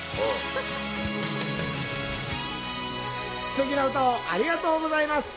すてきな歌をありがとうございます。